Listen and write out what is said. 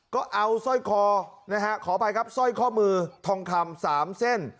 ก็เอาซ่อยข้อนะฮะขอไปครับซ่อยข้อมือทองคำสามเส้น